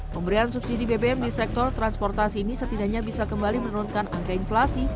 pemberian subsidi bbm di sektor transportasi ini setidaknya bisa kembali menurunkan angka inflasi